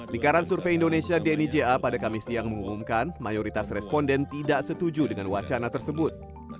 likaran survei indonesia dnija pada kamis siang mengumumkan mayoritas responden tidak setuju dengan wacana tersebut